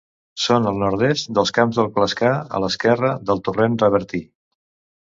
Són al nord-est dels Camps del Clascar, a l'esquerra del torrent de Bertí.